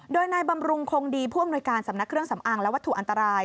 โดยนายบำรุงคงดีผู้อำนวยการสำนักเครื่องสำอางและวัตถุอันตราย